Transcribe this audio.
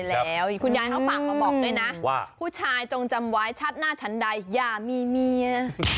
แล้วคุณยายเขาฝากมาบอกด้วยนะว่าผู้ชายจงจำไว้ชาติหน้าฉันใดอย่ามีเมีย